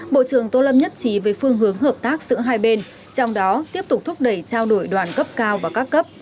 bộ trưởng tô lâm nhất trí về phương hướng hợp tác giữa hai bên trong đó tiếp tục thúc đẩy trao đổi đoàn cấp cao và các cấp